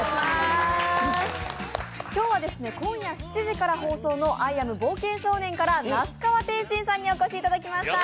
今日は今夜７時から放送の「アイ・アム・冒険少年」から那須川天心さんにお越しいただきました。